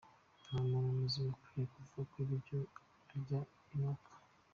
Nta muntu muzima ukwiye kuvuga ko ibiryo arya binuka.